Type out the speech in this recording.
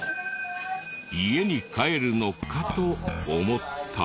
家に帰るのかと思ったら。